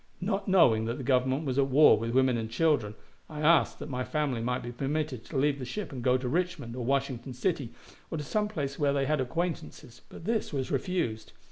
Not knowing that the Government was at war with women and children, I asked that my family might be permitted to leave the ship and go to Richmond or Washington City, or to some place where they had acquaintances, but this was refused.